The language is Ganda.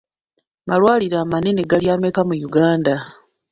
Malwaliro amanene gali ameka mu Uganda?